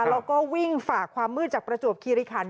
แล้วก็วิ่งฝากความมืดจากประจวบคิริคัน